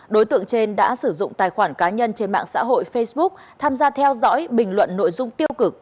đối tượng trên đã sử dụng tài khoản cá nhân trên mạng xã hội facebook tham gia theo dõi bình luận nội dung tiêu cực